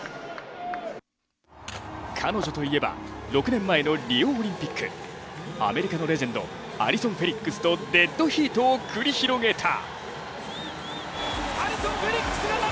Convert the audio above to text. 彼女といえば６年前のリオオリンピック、アメリカのレジェンド、アリソン・フェリックスとデッドヒートを繰り広げた。